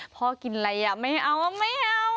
พ่อกินอะไรไม่เอาไม่เอา